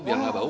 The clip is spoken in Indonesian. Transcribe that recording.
biar gak bau